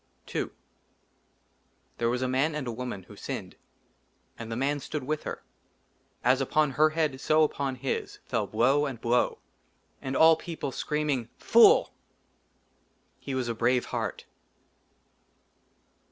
II THERE WAS A MAN AND A WOMAN WHO SINNED. AND THE MAN STOOD WITH HER. p AS UPON HER HEAD, SO UPON HIS, FELl BLOW AND BLOW, AND ALL PEOPLE SCREAMING, " FOOL !" HE WAS A BRAVE HEART.